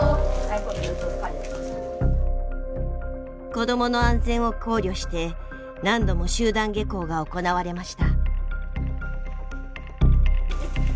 子どもの安全を考慮して何度も集団下校が行われました。